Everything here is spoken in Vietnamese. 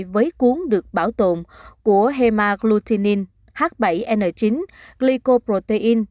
với cuốn được bảo tồn của hemagglutinin h bảy n chín glycoprotein